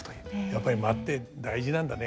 やっぱり間って大事なんだね。